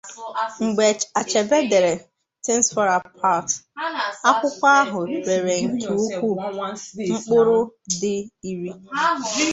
Mgbe Achebe dere "Things Fall Apart", akwụkwo ahu rere nke ukwuu, mkpụrụ nde iri.